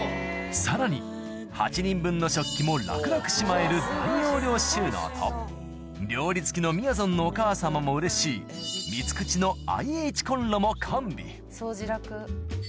さらに８人分の食器も楽々しまえる料理好きのみやぞんのお母様もうれしい３つ口のＩＨコンロも完備掃除楽。